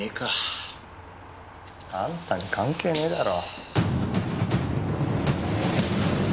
あんたに関係ねえだろ。